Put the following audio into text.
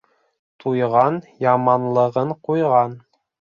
Туйған яманлығын ҡуйған.